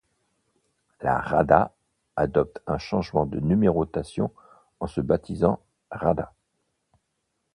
La Rada adopte un changement de numérotation en se baptisant Rada.